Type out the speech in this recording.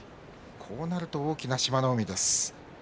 こうなると大きな志摩ノ海です。